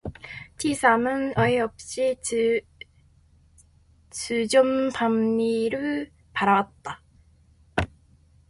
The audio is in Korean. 치삼은 어이없이 주정뱅이를 바라봤다